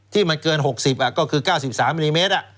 ที่มันเกิน๖๐ก็คือ๙๓มิลลิเมตร